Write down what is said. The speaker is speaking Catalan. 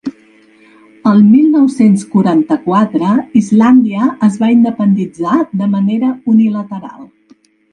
El mil nou-cents quaranta-quatre, Islàndia es va independitzar de manera unilateral.